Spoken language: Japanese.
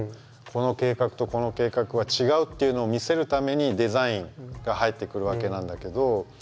この計画とこの計画は違うっていうのを見せるためにデザインが入ってくるわけなんだけど。